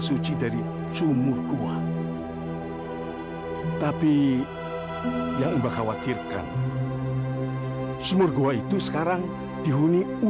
sampai jumpa di video selanjutnya